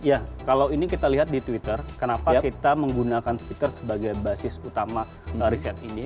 ya kalau ini kita lihat di twitter kenapa kita menggunakan twitter sebagai basis utama riset ini